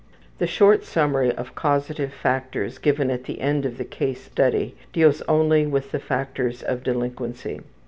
The short summary of causative factors given at the end of the case study deals only with the factors of delinquency.